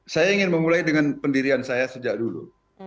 saya ingin memulai dengan pendirian saya sejak dulu